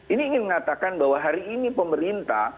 ini ingin mengatakan bahwa hari ini pemerintah